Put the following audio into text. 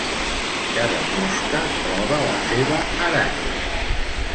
Cada mosca troba la seva aranya.